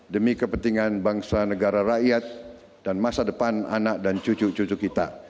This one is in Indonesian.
demi kepentingan bangsa negara rakyat dan masa depan anak dan cucu cucu kita